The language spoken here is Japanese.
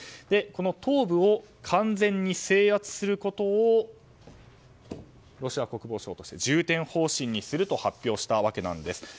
この東部を完全に制圧することをロシア国防省として重点方針にすると発表したわけなんです。